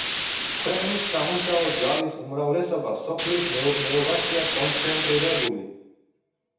ქვეყნის სამუშაო ძალის უმრავლესობა სოფლის მეურნეობაშია კონცენტრირებული.